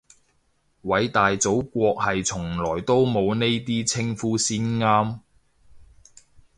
偉大祖國係從來都冇呢啲稱呼先啱